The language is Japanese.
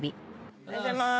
おはようございます。